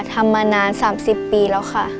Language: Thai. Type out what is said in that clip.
ทำมานาน๓๐ปีแล้วค่ะ